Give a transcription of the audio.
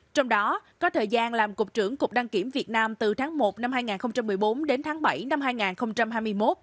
trong đó có thời gian làm cục trưởng cục đăng kiểm việt nam từ tháng một năm hai nghìn một mươi bốn đến tháng bảy năm hai nghìn hai mươi một